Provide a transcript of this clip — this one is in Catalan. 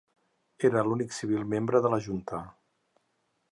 Era l'únic civil membre de la junta.